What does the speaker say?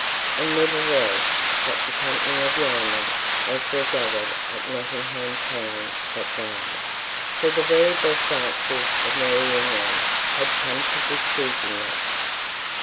And never was such a company of yeomen as were gathered at Nottingham Town that day, for the very best archers of merry England had come to this shooting match.